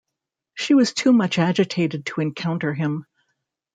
She was too much agitated to encounter him.